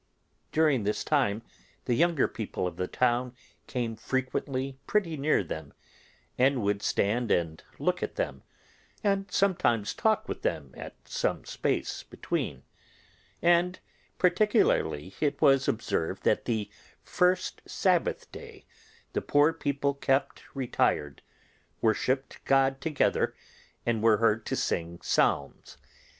During this time the younger people of the town came frequently pretty near them, and would stand and look at them, and sometimes talk with them at some space between; and particularly it was observed that the first Sabbath day the poor people kept retired, worshipped God together, and were heard to sing psalms.